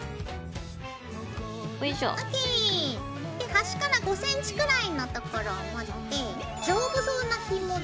はしから５ｃｍくらいのところを持って丈夫そうなひもで。